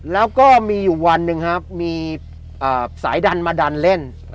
แล้วก็มีอยู่วันหนึ่งครับมีสายดันมาดันเล่น